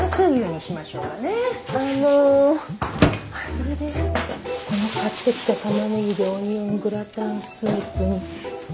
それでこの買ってきたタマネギでオニオングラタンスープに。